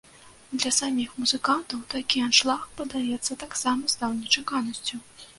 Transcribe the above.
Для саміх музыкантаў такі аншлаг, падаецца, таксама стаў нечаканасцю.